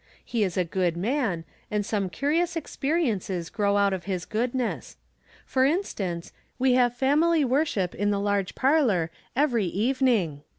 He is a good man, and some curious experiences grow out of his goodness. For instance, we have family worship in the large parlor every evening.